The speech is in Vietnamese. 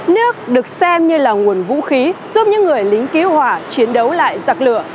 nước được xem như là nguồn vũ khí giúp những người lính cứu hỏa chiến đấu lại giặc lửa